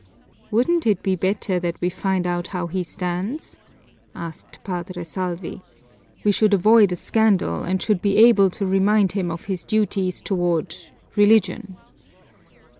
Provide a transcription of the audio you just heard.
"Wouldn't it be better that we find out how he stands?" asked Padre Salvi. "We should avoid a scandal, and should be able to remind him of his duties toward religion."